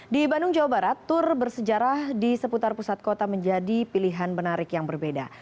di bandung jawa barat tur bersejarah di seputar pusat kota menjadi pilihan menarik yang berbeda